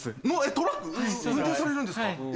トラック運転されるんですか？